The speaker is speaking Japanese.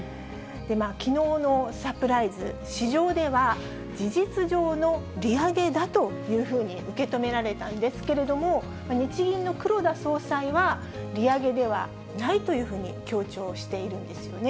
きのうのサプライズ、市場では事実上の利上げだというふうに受け止められたんですけれども、日銀の黒田総裁は、利上げではないというふうに強調しているんですよね。